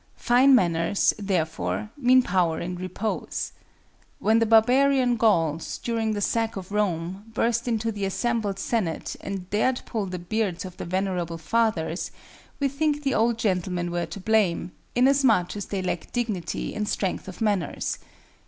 Fine manners, therefore, mean power in repose. When the barbarian Gauls, during the sack of Rome, burst into the assembled Senate and dared pull the beards of the venerable Fathers, we think the old gentlemen were to blame, inasmuch as they lacked dignity and strength of manners.